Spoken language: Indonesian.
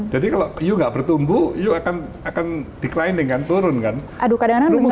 jadi kalau ibu nggak bertumbuh ibu akan declining kan turun kan